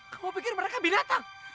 kamu pikir mereka binatang